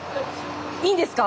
いいんですか？